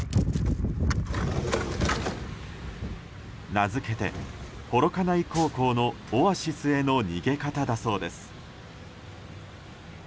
名付けて、幌加内高校のオアシスへの逃げ方だそうです。